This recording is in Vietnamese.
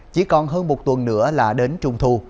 chỉ còn hơn một tuần nữa là đến trung thu